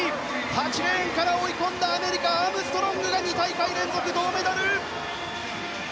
８レーンから追い込んだアメリカ、アームストロングが２大会連続銅メダル！